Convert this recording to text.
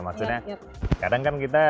maksudnya kadang kan kita